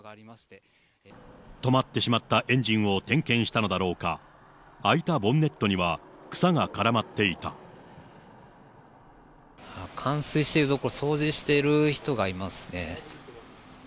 止まってしまったエンジンを点検したのだろうか、開いたボンネットには、冠水している所、掃除している人がいますね。